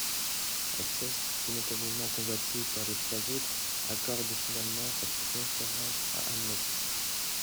Alceste, simultanément convoitée par les trois autres, accorde finalement sa préférence à Admète.